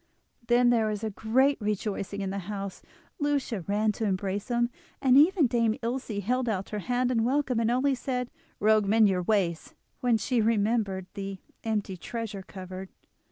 Then there was great rejoicing in the house; Lucia ran to embrace him, and even Dame Ilse held out her hand in welcome, and only said: "Rogue, mend your ways," when she remembered the empty treasure cupboard.